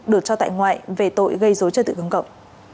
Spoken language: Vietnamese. được cho tại ngoại về tội gây dối trật tự công cộng